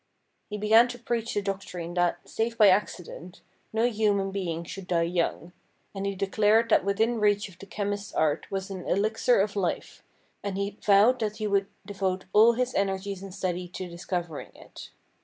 He began to preach the doctrine that, save by accident, no human being should die young ; and he declared that within reach of the chemist's art was an elixir of life, and he vowed that he would devote all his energies and study to discovering it.